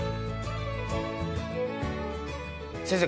先生